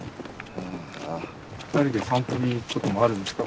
２人で散歩に行くこともあるんですか？